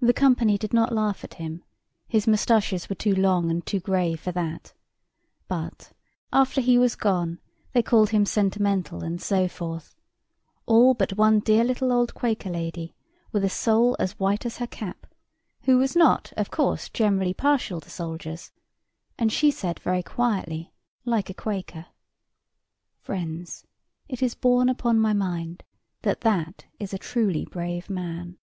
The company did not laugh at him; his moustaches were too long and too gray for that: but, after he was gone, they called him sentimental and so forth, all but one dear little old Quaker lady with a soul as white as her cap, who was not, of course, generally partial to soldiers; and she said very quietly, like a Quaker: "Friends, it is borne upon my mind that that is a truly brave man."